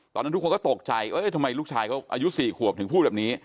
ตอนนั้นทุกคนปิ๊บตกใจเอ๊ยไม่ลูกฉายเขาอายุสี่ควบถึงพูดแบบนี้